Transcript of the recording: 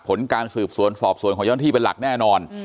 ผลการสืบสวนสอบสวนของเจ้าหน้าที่เป็นหลักแน่นอน